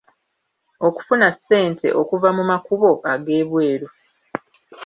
Okufuna ssente okuva mu makubo ag’ebweru.